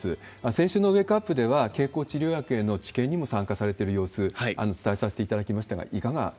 先週のウェークアップでは、経口治療薬への治験にも参加されてる様子、伝えさせていただきま